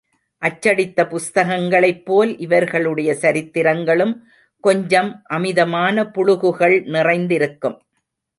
அச்சடித்த புஸ்தகங்களைப் போல் இவர்களுடைய சரித்திரங்களும் கொஞ்சம் அமிதமான புளுகுகள் நிறைந்திருக்கும்.